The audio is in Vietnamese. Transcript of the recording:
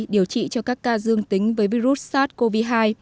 điều trị cho các ca dương tính với virus sars cov hai